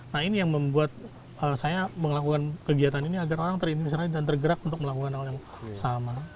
nah ini yang membuat saya melakukan kegiatan ini agar orang terintimisi dan tergerak untuk melakukan hal yang sama